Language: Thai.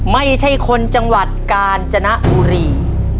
ไม่ใช่คนจังหวัดกาญจนบุรี